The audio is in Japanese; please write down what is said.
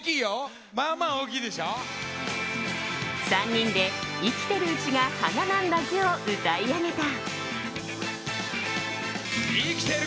３人で「生きてるうちが花なんだぜ」を歌い上げた。